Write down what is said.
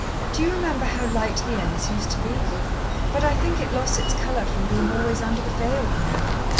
Do you remember how light the ends used to be? But I think it lost its colour from being always under the veil, you know.